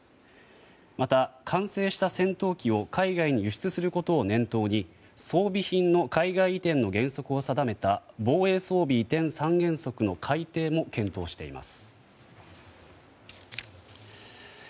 また完成した戦闘機を海外に輸出することを念頭に装備品の海外移転の原則を定めた防衛装備移転三原則の改定も検討しています。